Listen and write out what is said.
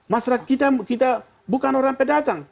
masyarakat kita bukan orang pendatang